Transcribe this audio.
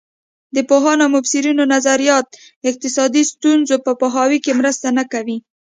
د پوهانو او مبصرینو نظریات اقتصادي ستونزو په پوهاوي کې مرسته نه کوي.